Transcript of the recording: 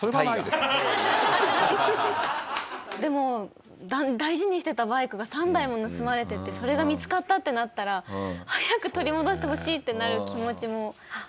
でも大事にしてたバイクが３台も盗まれててそれが見付かったってなったら早く取り戻してほしいってなる気持ちもわかりますね。